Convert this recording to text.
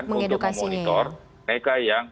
untuk memonitor mereka yang